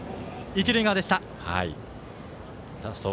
一塁側でした。